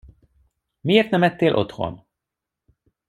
Miért nem ettél otthon?